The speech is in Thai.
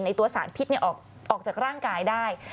ในตัวสารพิษเนี่ยออกจากร่างกายได้